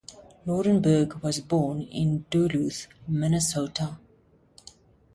Nordenberg was born in Duluth, Minnesota.